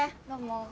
どうも。